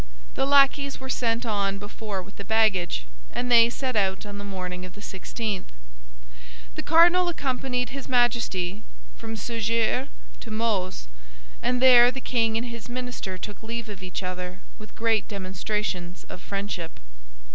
The lackeys were sent on before with the baggage, and they set out on the morning of the sixteenth. The cardinal accompanied his Majesty from Surgères to Mauzes; and there the king and his minister took leave of each other with great demonstrations of friendship.